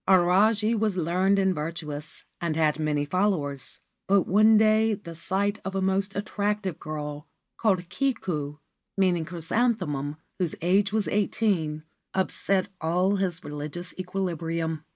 Ajari was learned and virtuous, and had many followers ; but one day the sight of a most attractive girl called Kiku,1 whose age was eighteen, upset all his religious equilibrium.